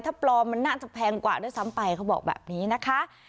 ถ้าปลอมมันน่าจะแพงกว่าด้วยซ้ำไปเขาบอกแบบนี้นะคะ